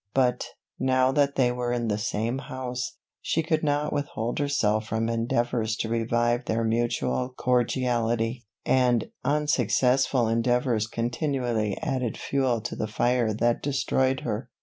But, now that they were in the same house, she could not withhold herself from endeavours to revive their mutual cordiality; and unsuccessful endeavours continually added fuel to the fire that destroyed her.